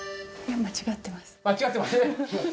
間違ってます？